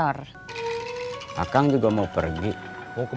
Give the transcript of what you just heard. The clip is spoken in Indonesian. kamu udah lama ngajak jajan cilok aku